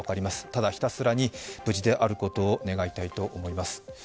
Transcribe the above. ただひたすらに無事であることを願いたいと思います。